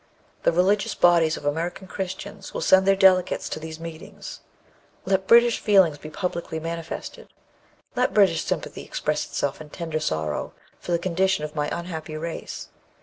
The religious bodies of American Christians will send their delegates to these meetings. Let British feeling be publicly manifested. Let British sympathy express itself in tender sorrow for the condition of my unhappy race.